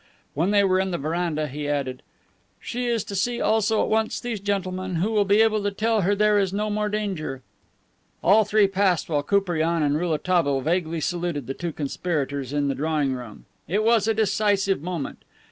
When they were in the veranda, he added: "She is to see also, at once, these gentlemen, who will be able to tell her there is no more danger." And all three passed while Koupriane and Rouletabille vaguely saluted the two conspirators in the drawing room. It was a decisive moment.